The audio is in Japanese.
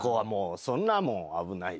そんなもう危ないよ。